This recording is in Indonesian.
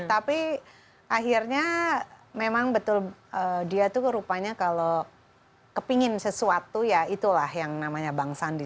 tapi akhirnya memang betul dia tuh rupanya kalau kepingin sesuatu ya itulah yang namanya bang sandi